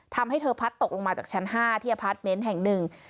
ทำให้เธอพัดตกลงมาจากชั้น๕ที่อพาร์ทเมนต์แห่งหนึ่ง